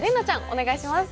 お願いします。